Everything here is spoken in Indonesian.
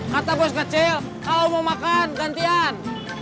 kata bos kecil kalau mau makan gantian